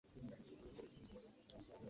Obummonde wano okusinga bulimwa Kabaale eyo.